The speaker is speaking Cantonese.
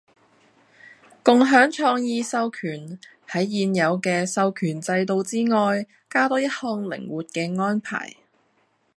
共享創意授權喺現有嘅授權制度之外加多一項靈活嘅安排